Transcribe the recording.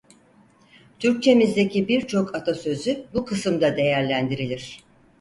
Türkçemizdeki birçok atasözü bu kısımda değerlendirilir.